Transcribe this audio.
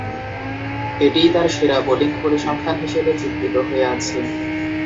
এটিই তার সেরা বোলিং পরিসংখ্যান হিসেবে চিত্রিত হয়ে আছে।